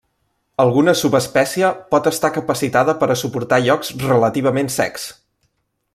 Alguna subespècie pot estar capacitada per a suportar llocs relativament secs.